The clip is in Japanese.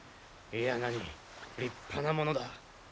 いやなに立派なものだ。